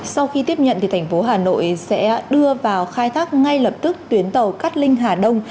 sau khi tiếp nhận thành phố hà nội sẽ đưa vào khai thác ngay lập tức tuyến tàu cát linh hà đông